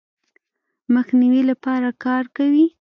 مخنیوي لپاره کار کوي.